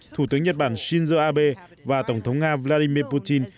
thủ tướng nhật bản shinzo abe và tổng thống nga vladimir putin